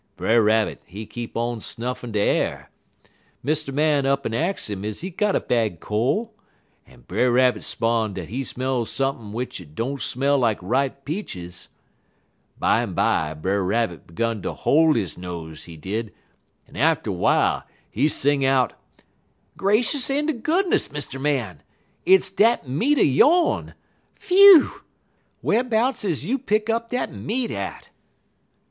Brer Rabbit he keep on snuffin' de a'r. Mr. Man up'n ax 'im is he got a bad cole, en Brer Rabbit 'spon' dat he smell sump'n' w'ich it don't smell like ripe peaches. Bimeby, Brer Rabbit 'gun to hoi' he nose, he did, en atter w'ile he sing out: "'Gracious en de goodness, Mr. Man! hit's dat meat er yone. Phew! Whar'bouts is you pick up dat meat at?'